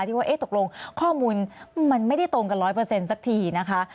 ที่ตกลงข้อมูลมันไม่ได้ตรงกันร้อยเปอร์เซ็นต์ซักทีนะคะ